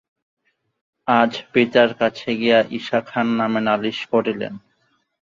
আজ পিতার কাছে গিয়া ইশা খাঁর নামে নালিশ করিলেন।